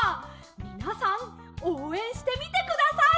みなさんおうえんしてみてください。